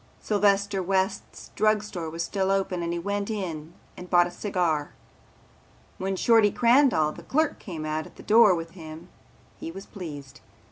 Sylvester West's Drug Store was still open and he went in and bought a cigar. When Shorty Crandall the clerk came out at the door with him he was pleased.